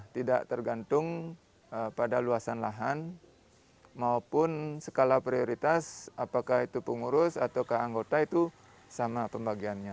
tidak tergantung pada luasan lahan maupun skala prioritas apakah itu pengurus ataukah anggota itu sama pembagiannya